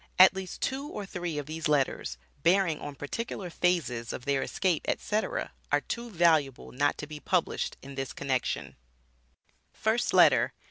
At least two or three of these letters, bearing on particular phases of their escape, etc., are too valuable not to be published in this connection: FIRST LETTER.